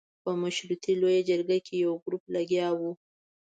په مشورتي لویه جرګه کې یو ګروپ لګیا وو.